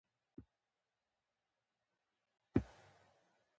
نو به ښه وي چي پیدا نه کړې بل ځل خر